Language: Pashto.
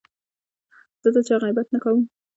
زه د چا غیبت نه کوم.